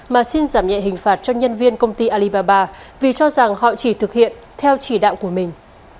mà xin giảm nhẹ hình phạt cho nhân viên công ty alibaba vì cho rằng họ chỉ thực hiện theo chỉ đạo của mình